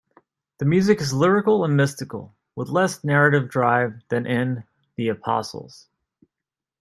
The music is lyrical and mystical, with less narrative drive than in "The Apostles".